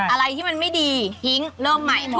อะไรที่มันไม่ดีทิ้งเริ่มใหม่หมด